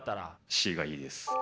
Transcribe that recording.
Ｃがいいです。